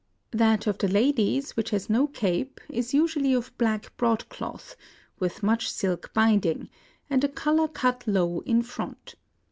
That of the ladies, which has no cape, is usually o£ black broadcloth, with much silk binding, and a collar cut low in front.